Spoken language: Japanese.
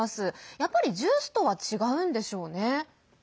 やっぱり、ジュースとは違うんでしょうね。